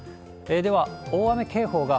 では、大雨警報が。